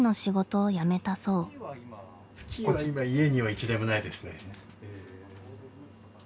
スキーは今家には一台もないですね。